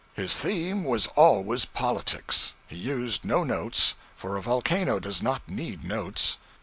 His theme was always politics. He used no notes, for a volcano does not need notes.